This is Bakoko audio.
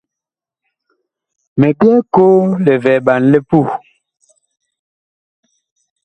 Mi byɛɛ koo livɛɛɓan li puh.